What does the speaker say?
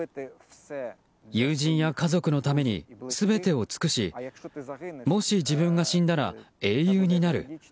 友人や家族のために全てを尽くしもし、自分が死んだら英雄になる。